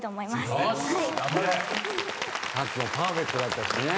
・さっきもパーフェクトだったしね。